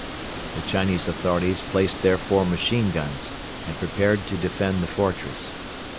The Chinese authorities placed their four machine guns and prepared to defend the fortress.